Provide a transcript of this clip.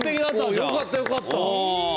よかったよかった！